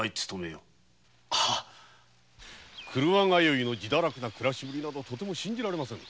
「廓通いの自堕落な暮らし」などとても信じられません。